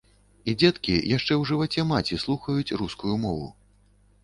І дзеткі яшчэ ў жываце маці слухаюць рускую мову.